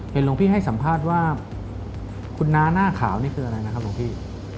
หลวงพี่ให้สัมภาษณ์ว่าคุณน้าหน้าขาวนี่คืออะไรนะครับหลวงพี่